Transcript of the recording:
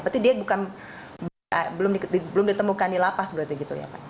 berarti dia belum ditemukan di lapas berarti gitu ya pak